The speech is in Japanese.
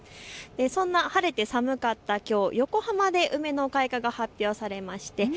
そんな晴れて寒かったきょう横浜で梅の開花が発表されまして